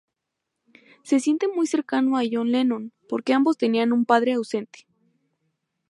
Se siente muy cercano a John Lennon, porque ambos tenían un padre ausente.